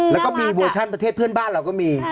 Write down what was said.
แล้วก็มีเวอร์ชั่นประเทศเพื่อนบ้านเราก็มี